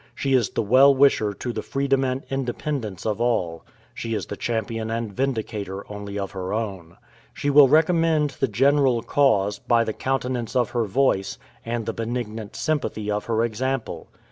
She is the well wisher to the freedom and independence of all. She is the champion and vindicator only of her own. She will recommend the general cause, by the countenance of her voice, and the benignant sympathy of her example.